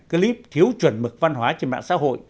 clip thiếu chuẩn mực văn hóa trên mạng xã hội